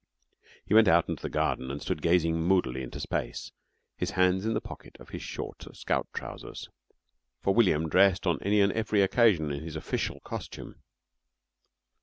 He went out into the garden and stood gazing moodily into space, his hands in the pocket of his short scout trousers, for William dressed on any and every occasion in his official costume.